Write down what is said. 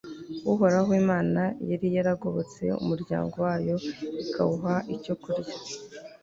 uhoraho imana yari yaragobotse umuryango wayo ikawuha icyo kurya